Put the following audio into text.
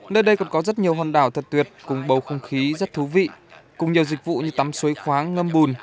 nơi đây còn có rất nhiều hòn đảo thật tuyệt cùng bầu không khí rất thú vị cùng nhiều dịch vụ như tắm suối khoáng ngâm bùn